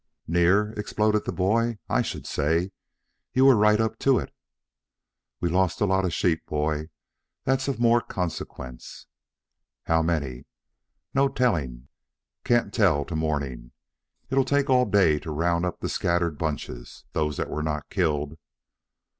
"Near!" exploded the boy. "I should say you were right up to it." "We've lost a lot of sheep, boy; that's of more consequence." "How many?" "No telling. Can't tell till morning. It'll take all day to round up the scattered bunches those that were not killed."